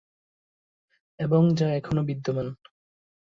এবং যা এখনো বিদ্যমান।